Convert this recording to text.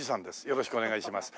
よろしくお願いします。